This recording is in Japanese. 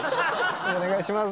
お願いします。